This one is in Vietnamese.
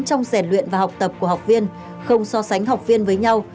trong rèn luyện và học tập của học viên không so sánh học viên với nhau